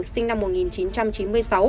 sinh năm một nghìn chín trăm chín mươi sáu